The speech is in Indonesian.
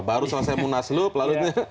baru selesai munas loop lalu ini